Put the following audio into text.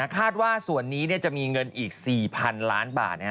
คาดว่าส่วนนี้จะมีเงินอีก๔๐๐๐ล้านบาท